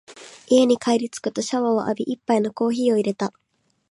家に帰りつくとシャワーを浴び、一杯のコーヒーを淹れた。